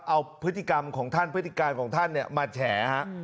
เอาพฤติกรรมของท่านพฤติการของท่านมาแฉ